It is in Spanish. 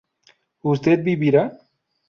¿usted vivirá?